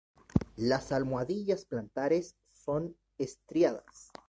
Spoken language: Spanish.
Las almohadillas plantares son estriadas.